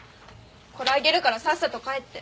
これあげるからさっさと帰って。